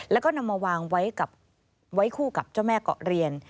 แล้วก็นำมาวางไว้คู่กับเจ้าแม่เกาะเรียน